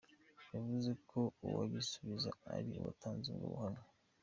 Yavuze ko uwagisubiza ari uwatanze ubwo buhamya.